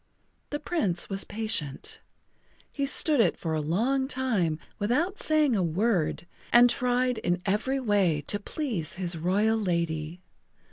The Prince was patient. He stood it for a long time without saying a word and tried in every way to please his royal lady.